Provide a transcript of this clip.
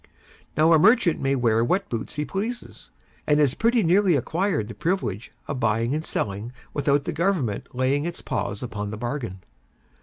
Now a merchant may wear what boots he pleases, and has pretty nearly acquired the privilege of buying and selling without the Government laying its paws upon the bargain.